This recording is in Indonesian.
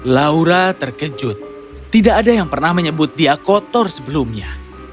laura terkejut tidak ada yang pernah menyebut dia kotor sebelumnya